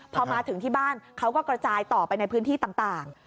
พอมาถึงที่บ้านเขาก็กระจายต่อไปในพื้นที่ต่าง